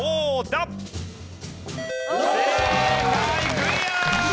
クリア！